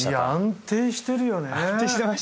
安定してるよね。